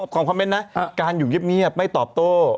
คำคานะอ้าวการอยู่เยี่ยมนี่ฮะไม่ตอบโต้